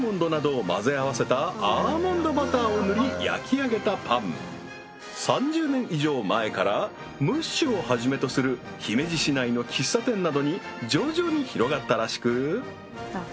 なるほどそう３０年以上前からムッシュをはじめとする姫路市内の喫茶店などに徐々に広がったらしく